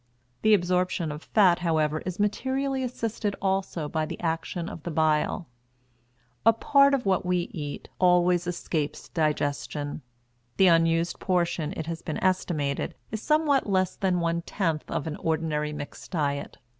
The absorption of fat, however, is materially assisted also by the action of the bile. A part of what we eat always escapes digestion; the unused portion, it has been estimated, is somewhat less than one tenth of an ordinary mixed diet.